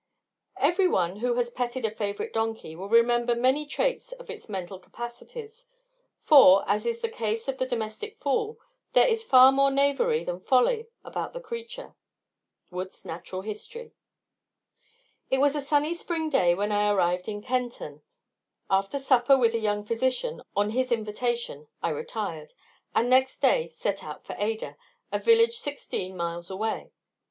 Every one who has petted a favorite donkey will remember many traits of its mental capacities; for, as in the case of the domestic fool, there is far more knavery than folly about the creature. Wood's Natural History. It was a sunny spring day when I arrived in Kenton. After supper with a young physician, on his invitation, I retired, and next day set out for Ada, a village sixteen miles away.